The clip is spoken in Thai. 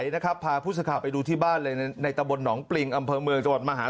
น่าจะดีนะ